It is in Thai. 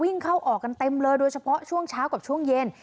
เข้าออกกันเต็มเลยโดยเฉพาะช่วงเช้ากับช่วงเย็น